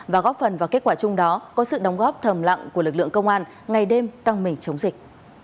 và góp phần vào kết quả chung đó có sự đóng góp thầm lặng của lực lượng công an ngày đêm căng mình chống dịch